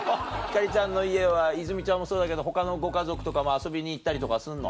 星ちゃんの家は泉ちゃんもそうだけど他のご家族とかも遊びに行ったりとかすんの？